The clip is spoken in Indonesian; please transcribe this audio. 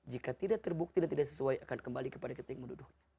jika tidak terbukti dan tidak sesuai akan kembali kepada kita yang menduduhnya